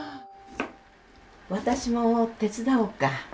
私も手伝おうか？